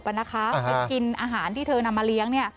ไปกินอาหารที่เธอนำมาเลี้ยงเนี่ย